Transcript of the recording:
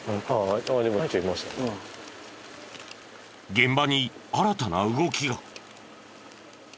現場に新たな動きが。